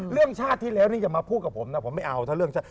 เรื่องชาติที่แล้วนี่อย่ามาพูดกับผมนะผมไม่เอา